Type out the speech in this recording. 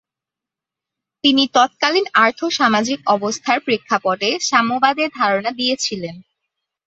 তিনি তৎকালীন আর্থ-সামাজিক অবস্থার প্রেক্ষাপটে সাম্যবাদ-এর ধারণা দিয়েছিলেন।